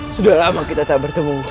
sudah lama kita tak bertemu